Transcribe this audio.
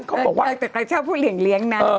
แต่ใครชอบพูดเหรียงเลี้ยงนะ